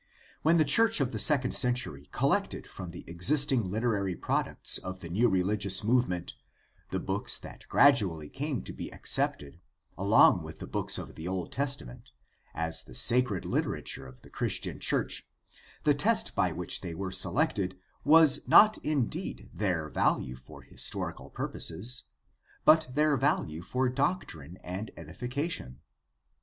When the church of the second century collected from the existing literary products of the new reli gious movement the books that gradually came to be accepted, along with the books of the Old Testament, as the sacred literature of the Christian church, the test by which they were selected was not indeed their value for historical purposes, but their value for doctrine and edification.